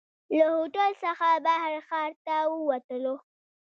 له هوټل څخه بهر ښار ته ووتلو.